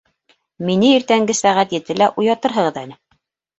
Мине иртәнге сәғәт етелә уятырһығыҙ әле!